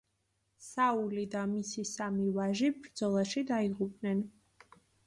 საული და მისი სამი ვაჟი ბრძოლაში დაიღუპნენ.